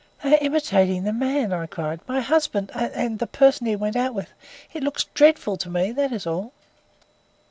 "They are imitating the man," I cried; "my husband and and the person he went out with. It looked dreadful to me; that is all."